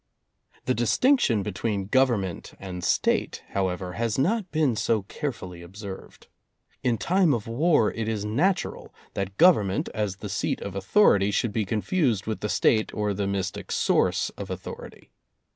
The distinction between Government and State, however, has not been so carefully observed. In time of war it is natural that Government as the seat of authority should be confused with the State or the mystic source of authority.